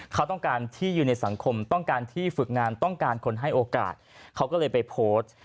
เขาต้องการที่ยืนในสังคมต้องการที่ฝึกงานต้องการคนให้โอกาสเขาก็เลยไปโพสต์